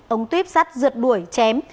ông tuyếp sắt rượt đuổi chém